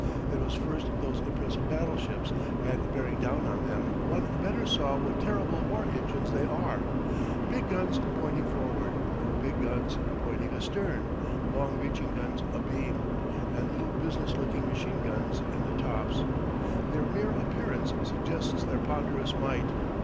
It was first those impressive battleships; and bearing down on them one better saw what terrible war engines they are. Big guns pointing forward, big guns pointing astern, long reaching guns abeam, and little business looking machine guns in the tops their mere appearance suggests their ponderous might.